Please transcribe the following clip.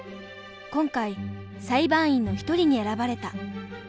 今回裁判員の一人に選ばれた。